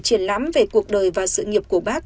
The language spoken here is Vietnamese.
triển lãm về cuộc đời và sự nghiệp của bác